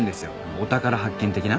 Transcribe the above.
お宝発見的な？